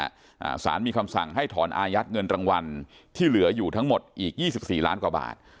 อ่าสารมีคำสั่งให้ถอนอายัดเงินรางวัลที่เหลืออยู่ทั้งหมดอีกยี่สิบสี่ล้านกว่าบาท